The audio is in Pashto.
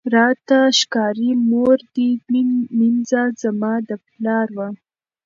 راته ښکاری مور دي مینځه زما د پلار وه